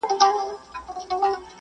حساب کتاب مې پاک او سپین دی.